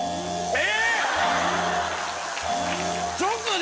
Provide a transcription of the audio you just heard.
え